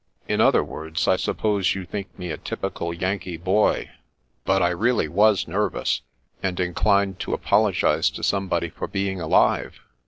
" In other words, I suppose you think me a typi cal Yankee boy? But I really was nervous, and inclined to apologise to somebody for being alive.